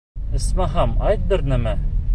Исмаһам, әйт бер нәмә!